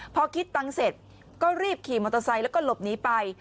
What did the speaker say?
พอคิดตังค์เสร็จก็รีบขี่มอเตอร์ไซค์แล้วก็หลบหนีไป